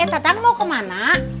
eh tatang mau kemana